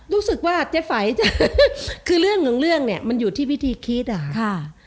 รู้สึกว่าเจฝัยคือเรื่องหนึ่งเนี่ยมันอยู่ที่วิธีคิดอ่ะ